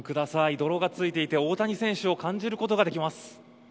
泥が付いていて、大谷選手を感じることができます。